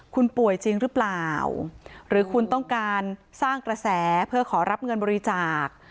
คุณป่วยจริงหรือเปล่าหรือคุณต้องการสร้างกระแสเพื่อขอรับเงินบริจาค